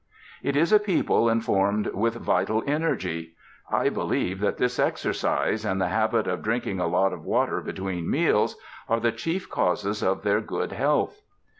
It is a people informed with vital energy. I believe that this exercise, and the habit of drinking a lot of water between meals, are the chief causes of their good health.